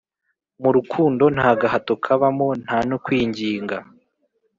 Murukundo ntagahato kabamo ntano kwingingaa